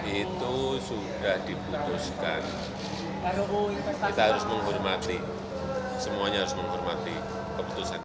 itu sudah diputuskan kita harus menghormati semuanya harus menghormati keputusan